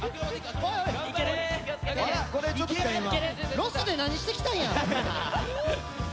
ロスで何してきたんや！